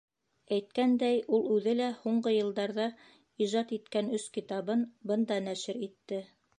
Әйткәндәй, ул үҙе лә һуңғы йылдарҙа ижад иткән өс китабын бында нәшер итте.